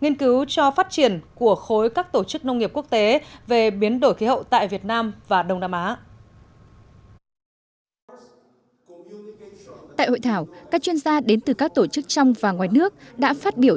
nghiên cứu cho phát triển của khối các tổ chức nông nghiệp quốc tế về biến đổi khí hậu tại việt nam và đông nam á